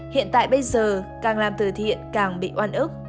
hiện tại bây giờ càng làm từ thiện càng bị oan ức